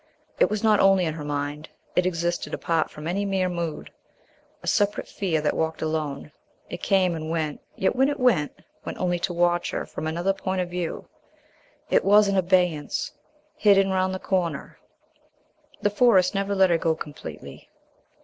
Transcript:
It was not only in her mind; it existed apart from any mere mood; a separate fear that walked alone; it came and went, yet when it went went only to watch her from another point of view. It was in abeyance hidden round the corner. The Forest never let her go completely.